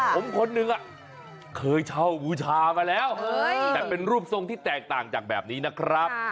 ผมคนหนึ่งเคยเช่าบูชามาแล้วแต่เป็นรูปทรงที่แตกต่างจากแบบนี้นะครับ